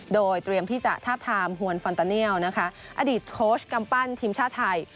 โดยเตรียมที่จะทาบทามฮวนฟันตาเนียลนะคะอดีตโค้ชกำปั้นทีมชาติไทย